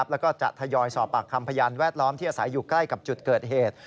แล้วก็จะทยอยสอบปากคำพยานแวดล้อมที่อาศัยอยู่ใกล้กับจุดเกิดเหตุ